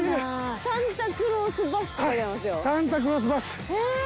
サンタクロースバス。